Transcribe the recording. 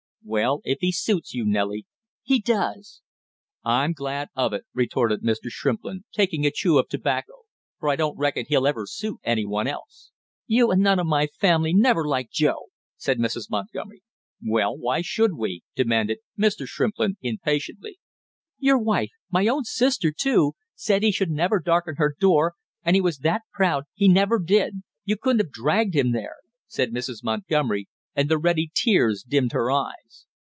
"Well, if he suits you, Nellie " "He does!" "I'm glad of it," retorted Mr. Shrimplin, taking a chew of tobacco. "For I don't reckon he'd ever suit any one else!" "You and none of my family never liked Joe!" said Mrs. Montgomery. "Well, why should we?" demanded Mr. Shrimplin impatiently. "Your wife, my own sister, too, said he should never darken her door, and he was that proud he never did! You couldn't have dragged him there!" said Mrs. Montgomery, and the ready tears dimmed her eyes.